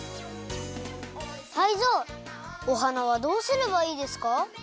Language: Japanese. タイゾウおはなはどうすればいいですか？